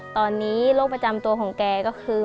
ตอนนี้โรคประจำตัวของแกก็คือ